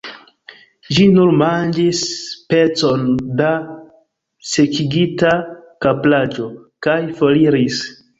Ĝi nur manĝis pecon da sekigita kapraĵo, kaj foriris.